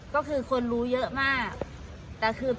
ก็คือคนรู้เยอะมาก